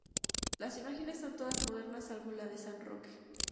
Las imágenes son todas modernas salvo la de San Roque.